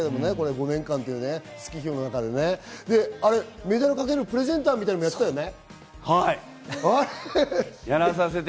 ５年間っていう月日の中でメダルをかけるプレゼンターもやってたよね。